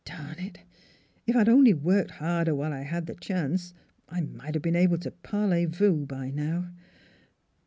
" Darn it! if I'd only worked harder while I had the chance I might have been able to parlez vous, by now.